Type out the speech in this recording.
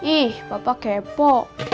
ih bapak kepo